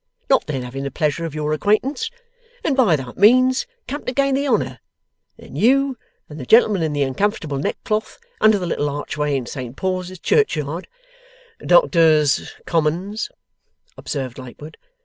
not then having the pleasure of your acquaintance, and by that means come to gain the honour. Then you, and the gentleman in the uncomfortable neck cloth under the little archway in Saint Paul's Churchyard ' 'Doctors' Commons,' observed Lightwood.